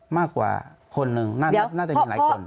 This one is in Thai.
มากกว่าคนหนึ่งน่าจะมีหลายคน